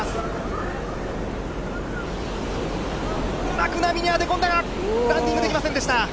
巻く波に当て込んだが、ランディングできませんでした。